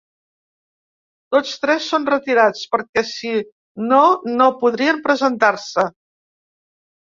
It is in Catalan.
Tots tres són retirats, perquè si no no podrien presentar-se.